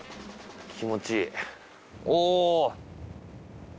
気持ちいいお。